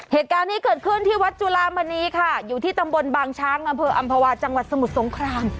เหตุการณ์นี้เกิดขึ้นที่วัดจุลามณีค่ะอยู่ที่ตำบลบางช้างอำเภออำภาวาจังหวัดสมุทรสงคราม